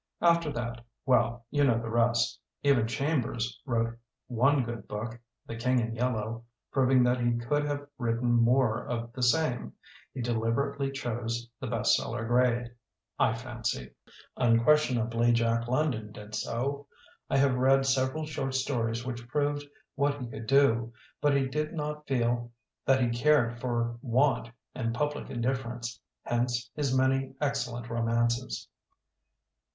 After that — ^well, you know the rest. Even Chambers wrote one good book. The King in Yellow*, proving that he could have written more of the same. He delib erately chose the best seller grade, I fancy. Unquestionably Jack London did so. I have read several short stories which proved what he could do. But he did not feel that he cared for want and public indifference. Hence his many excellent romances."